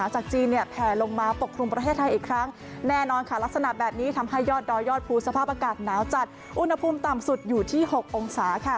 จากจีนแผลลงมาปกครุมประเทศไทยอีกครั้งแน่นอนค่ะลักษณะแบบนี้ทำให้ยอดดอยยอดภูสภาพอากาศหนาวจัดอุณหภูมิต่ำสุดอยู่ที่๖องศา